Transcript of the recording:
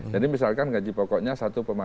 jadi misalkan gaji pokoknya satu lima